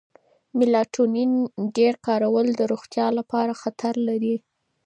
میلاټونین ډېر کارول د روغتیا لپاره خطر لري.